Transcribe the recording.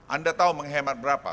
anda tahu menghemat berapa